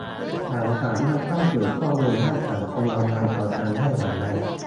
ฉันสามารถเข้าถึงข้อมูลด้านสังคมออนไลน์ของฉันได้อย่างไร